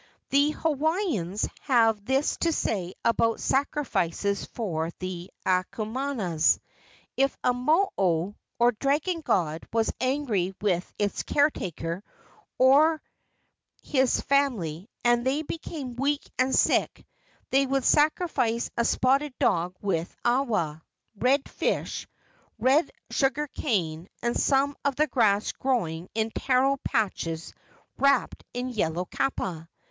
The Hawaiians have this to say about sacrifices for the aumakuas: If a mo o, or dragon god, was angry with its caretaker or his family and they became weak and sick, they would sacrifice a spotted dog with awa, red fish, red sugar cane, and some of the grass growing in taro patches wrapped in yellow kapa.